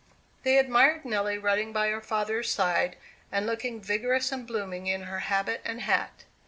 They admired Nelly riding by her father's side, and looking vigorous and blooming in her habit and hat.